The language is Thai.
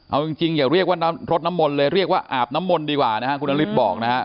เอาจริงอย่าเรียกว่าน้ำรดน้ำมนต์เลยเรียกว่าอาบน้ำมนต์ดีกว่านะฮะคุณนฤทธิ์บอกนะฮะ